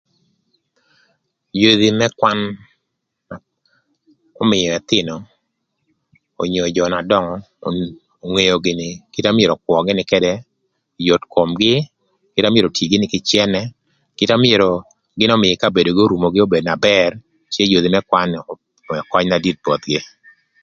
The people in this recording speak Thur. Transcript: Yodhi më kwan ömïö ëthïnö onyo jö na döngö ngeo gïnï kite na myero ökwö gïnï ködë ëk yot komgï na myero oti gïnï kï cënë, kite na myero ömïï kabedo n'orumogï obedo na bër cë yodhi më kwan obedo köny na dit bothgï.